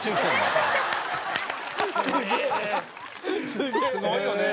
すごいよね。